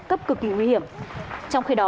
cấp cực kỳ nguy hiểm trong khi đó